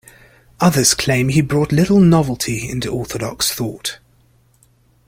Others claim he brought little novelty into Orthodox thought.